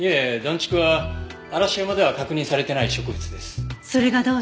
竹は嵐山では確認されてない植物です。